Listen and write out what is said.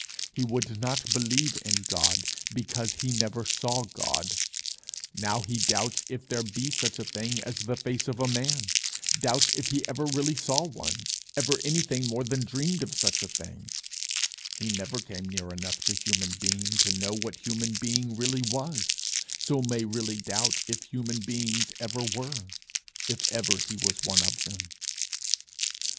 He would not believe in God because he never saw God; now he doubts if there be such a thing as the face of a man doubts if he ever really saw one, ever anything more than dreamed of such a thing: he never came near enough to human being, to know what human being really was so may well doubt if human beings ever were, if ever he was one of them.